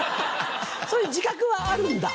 そういう自覚はあるんだ。